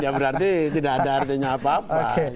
ya berarti tidak ada artinya apa apa